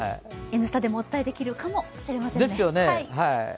「Ｎスタ」でもお伝えできるかもしれませんね。